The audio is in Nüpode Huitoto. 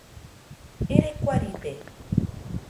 Irai kuaride.